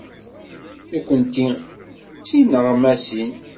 Nekkenti d tineɣmasin.